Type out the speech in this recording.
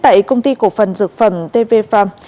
tại công ty cổ phần dược phẩm tv farm